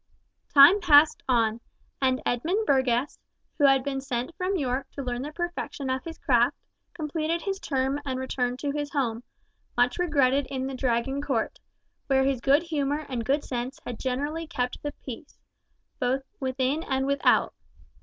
Time passed on, and Edmund Burgess, who had been sent from York to learn the perfection of his craft, completed his term and returned to his home, much regretted in the Dragon court, where his good humour and good sense had generally kept the peace, both within and without.